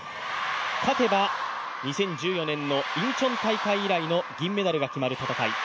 勝てば２０１４年のインチョン大会以来の銀メダルが決まる大会。